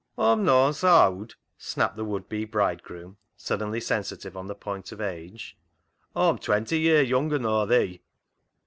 " Aw'm nooan sa owd," snapped the would be bridegroom, suddenly sensitive on the point of age. " Aw'm twenty year younger nor thee."